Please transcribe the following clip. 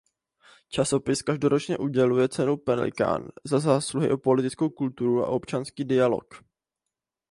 Časopis každoročně uděluje Cenu Pelikán "za zásluhy o politickou kulturu a občanský dialog".